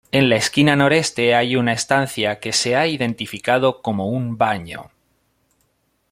En la esquina noreste hay una estancia que se ha identificado como un baño.